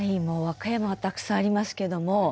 もう和歌山はたくさんありますけども。